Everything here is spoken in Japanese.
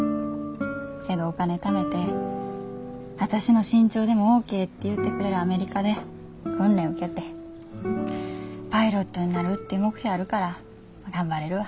けどお金ためて私の身長でもオッケーって言うてくれるアメリカで訓練受けてパイロットになるって目標あるから頑張れるわ。